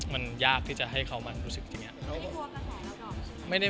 มันยากที่จะให้เขามารู้สึกอย่างนี้